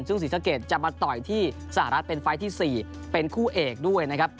ซึ่งศรีสะเกดจะมาต่อยที่สหรัฐเป็นไฟล์ที่๔เป็นคู่เอกด้วยนะครับ